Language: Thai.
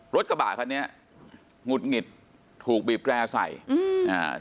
รถกระบะคันนี้หงุดหงิดถูกบีบแร่ใส่อืมอ่า